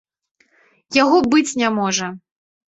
Яго быць не можа.